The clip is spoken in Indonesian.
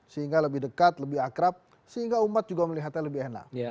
sehingga lebih dekat lebih akrab sehingga umat juga melihatnya lebih enak